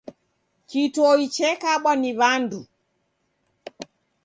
Kitoi chekabwa ni w'andu.